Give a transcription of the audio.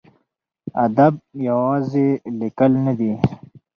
ادب یوازې لیکل نه دي.